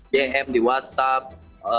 dm di whatsapp